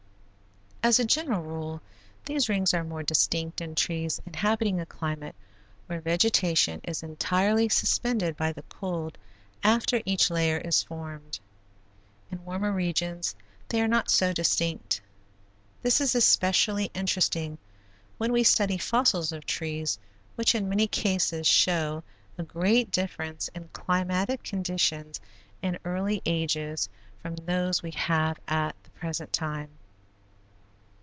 As a general rule these rings are more distinct in trees inhabiting a climate where vegetation is entirely suspended by the cold after each layer is formed. In warmer regions they are not so distinct. This is especially interesting when we study fossils of trees which in many cases show a great difference in climatic conditions in the early ages from those we have at the present time.